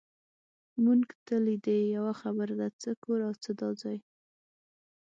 مونږ ته لیدې، یوه خبره ده، څه کور او څه دا ځای.